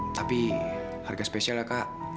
tapi harga spesial ya kak